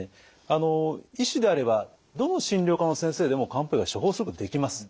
あの医師であればどの診療科の先生でも漢方薬は処方することができます。